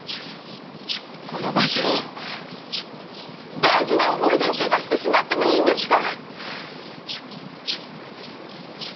この場所を大事な思い出を汚してしまってもいいんですか？